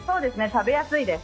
食べやすいです。